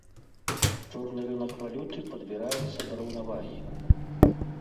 Чорны рынак валюты падбіраецца да раўнавагі.